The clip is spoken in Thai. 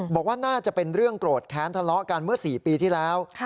บอกว่าน่าจะเป็นเรื่องโกรธแค้นทะเลาะกันเมื่อ๔ปีที่แล้ว